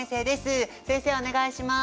はいお願いします。